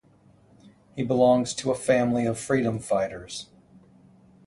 He belongs to family of freedom fighters.